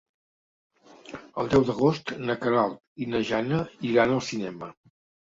El deu d'agost na Queralt i na Jana iran al cinema.